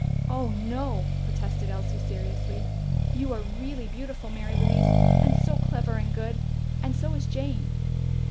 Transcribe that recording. "Oh no!" protested Elsie seriously. "You are really beautiful, Mary Louise! And so clever and good. And so is Jane."